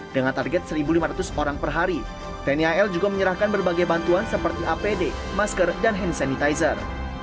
dengan target satu lima ratus orang per hari tni al juga menyerahkan berbagai bantuan seperti apd masker dan hand sanitizer